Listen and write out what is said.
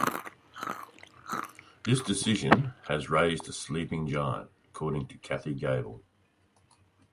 This decision has "raised a sleeping giant" according to Kathy Gable.